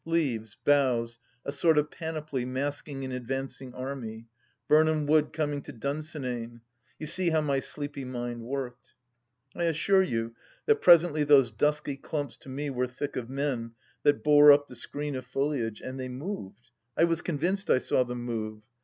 Leaves, boughs, a sort of panoply masking an advancing army ! Birnam Wood coming to Dunsinane !... You see how my sleepy mind worked !... I assure you that presently those dusky clumps to me were thick of men, that bore up the screen of foliage. ... And they moved 1 ... I was convinced I saw them move.